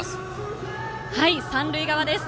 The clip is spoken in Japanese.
三塁側です。